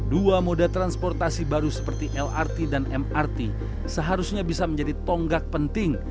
dua moda transportasi baru seperti lrt dan mrt seharusnya bisa menjadi tonggak penting